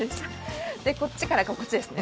こっちからこっちですね。